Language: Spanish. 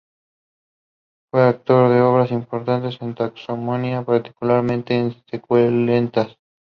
Fue autor de obras importante en taxonomía particularmente en suculentas.